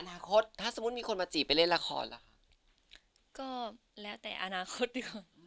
อนาคตถ้าสมมุติมีคนมาจีบไปเล่นละครล่ะคะก็แล้วแต่อนาคตดีกว่า